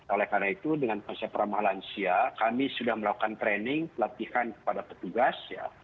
oleh karena itu dengan konsep ramah lansia kami sudah melakukan training pelatihan kepada petugas